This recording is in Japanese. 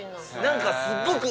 何か。